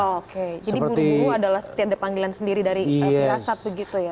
jadi buru buru adalah seperti ada panggilan sendiri dari firasat begitu ya